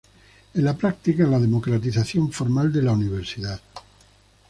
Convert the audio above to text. En la práctica, la democratización formal de la universidad.